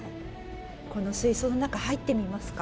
この水槽の中入ってみますか？